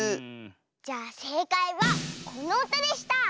じゃあせいかいはこのうたでした。